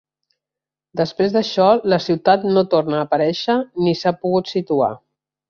Després d'això la ciutat no torna a aparèixer ni s'ha pogut situar.